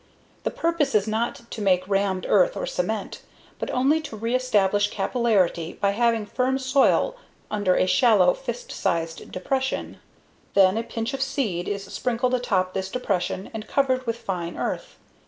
The purpose is not to make rammed earth or cement, but only to reestablish capillarity by having firm soil under a shallow, fist sized depression. Then a pinch of seed is sprinkled atop this depression and covered with fine earth.